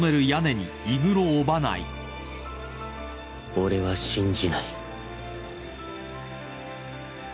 俺は信じない。